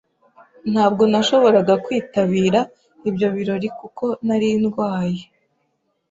Ntabwo nashoboraga kwitabira ibyo birori kuko nari ndwaye.